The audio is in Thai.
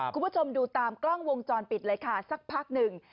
คุณผู้ชมดูตามกล้องวงจรปิดเลยค่ะสักพักหนึ่ง